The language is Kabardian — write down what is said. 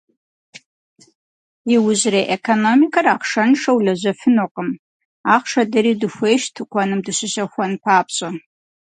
Иужьрей экономикэр ахъшэншэу лэжьэфынукъым, ахъшэ дэри дыхуейщ, тыкуэным дыщыщэхуэн папщӏэ.